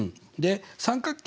三角形